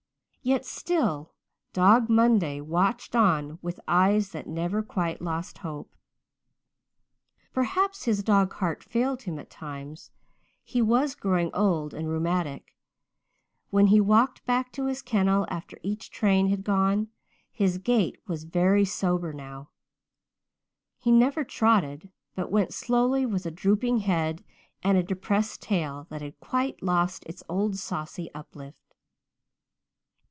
Yet still Dog Monday watched on with eyes that never quite lost hope. Perhaps his dog heart failed him at times; he was growing old and rheumatic; when he walked back to his kennel after each train had gone his gait was very sober now he never trotted but went slowly with a drooping head and a depressed tail that had quite lost its old saucy uplift.